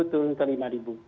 turun ke rp lima